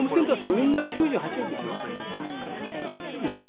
みんな９８円ですよ。